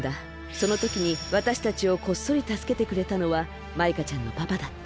そのときにわたしたちをこっそりたすけてくれたのはマイカちゃんのパパだった。